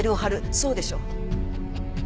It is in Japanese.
そうでしょ？